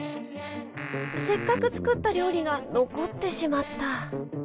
せっかく作った料理が残ってしまった。